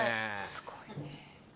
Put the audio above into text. ［すごいね。］